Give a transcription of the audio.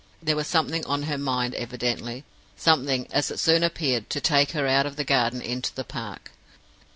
There was something on her mind, evidently; something, as it soon appeared, to take her out of the garden into the park.